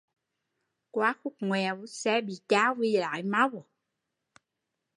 Qua khúc ngoẹo, xe bị chao vì lái mau